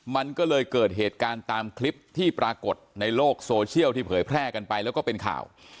มันก็เลยเกิดเหตุการณ์ตามคลิปที่ปรากฏในโลกโซเชียลที่เผยแพร่กันไปแล้วก็เป็นข่าว